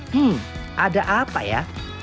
hmm ada apa ya